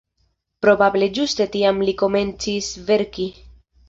Probable ĝuste tiam li komencis verki.